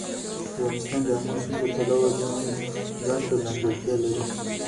افغانستان د آمو سیند له پلوه ځانته ځانګړتیا لري.